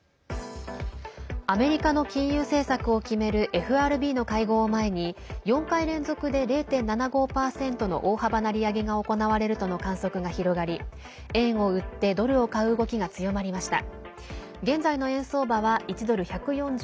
アメリカの金融政策を決めるＦＲＢの会合を前に４回連続で０．７５％の大幅な利上げが行われるとの観測が広がり円を売ってドルを買う動きが強まりました。